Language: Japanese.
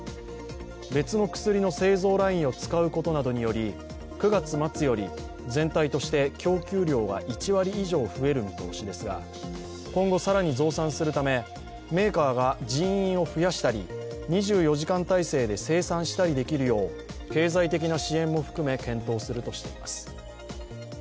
別の薬の製造ラインを使うことなどにより９月末より全体として供給量が１割以上増える見通しですが、今後更に増産するため、メーカーが人員を増やしたり、２４時間体制で生産したりできるよう経済的な支援も含め、検討するとしています。